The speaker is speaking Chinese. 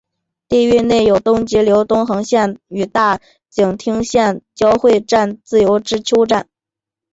地域内有东急东横线与大井町线的交会站自由之丘站。